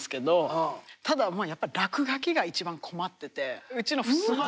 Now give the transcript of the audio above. ただやっぱり落書きが一番困っててうちのふすま。